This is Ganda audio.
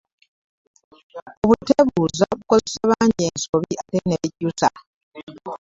Obuteebuuza bukozesezza bangi ensobi ate ne bejjusa.